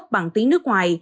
bằng tiếng nước ngoài